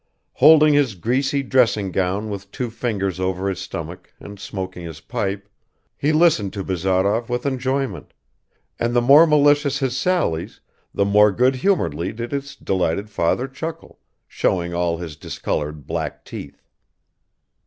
Holding his greasy dressing gown with two fingers over his stomach and smoking his pipe, he listened to Bazarov with enjoyment, and the more malicious his sallies, the more good humoredly did his delighted father chuckle, showing all his discolored black teeth.